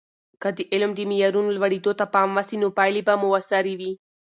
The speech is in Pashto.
که د علم د معیارونو لوړیدو ته پام وسي، نو پایلې به موثرې وي.